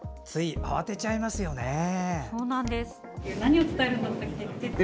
つい慌てちゃいますよね。